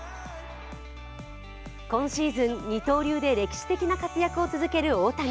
今シーズン、二刀流で歴史的な活躍を続ける大谷。